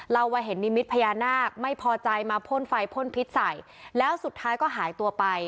เราว่าเห็นนิมิตพญานาคไม่พอใจมาพ่นไฟพ่นพิษใส่แล้วสุดท้ายก็หายตัวไป